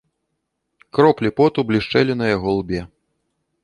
Кроплі поту блішчэлі на яго лбе.